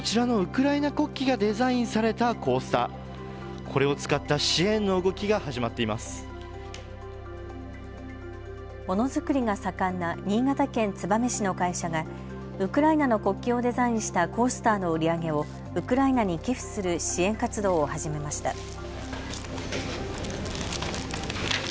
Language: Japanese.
ものづくりが盛んな新潟県燕市の会社がウクライナの国旗をデザインしたコースターの売り上げをウクライナに寄付する支援活動を始めました。